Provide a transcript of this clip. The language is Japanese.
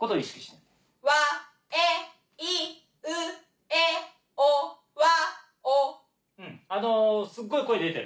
うんすっごい声出てる。